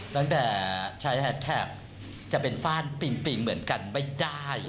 ตั้งแต่ชายแฮดแท็บจะเป็นฟ่านปิงปิงเหมือนกันไม่ได้